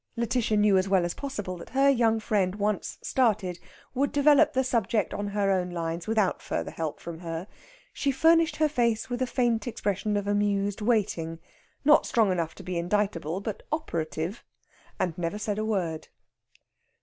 Lætitia knew as well as possible that her young friend, once started, would develop the subject on her own lines without further help from her. She furnished her face with a faint expression of amused waiting, not strong enough to be indictable, but operative, and said never a word.